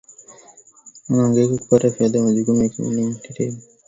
wanaohangaika kupata fedha majukumu ya kifamilia matatizo ya masomo na mengine mengi